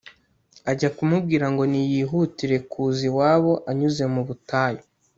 ajya kumubwira ngo niyihutire kuza iwabo anyuze mu butayu